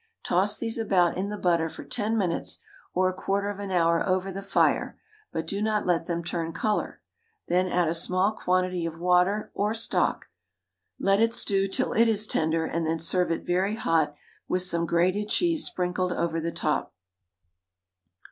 Toss these about in the butter for ten minutes or a quarter of an hour over the fire, but do not let them turn colour; then add a small quantity of water or stock, let it stew till it is tender, and then serve it very hot with some grated cheese sprinkled over the top.